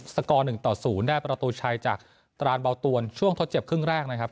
สกอร์๑ต่อ๐ได้ประตูชัยจากตรานเบาตวนช่วงทดเจ็บครึ่งแรกนะครับ